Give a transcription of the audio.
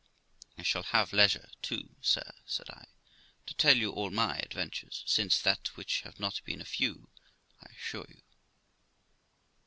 'I shall have leisure too, sir', said I, 'to tell you all my adventures since that, which have not been a few, I assure you.'